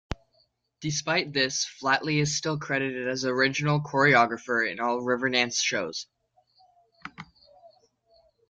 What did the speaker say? Despite this, Flatley is still credited as original choreographer in all Riverdance shows.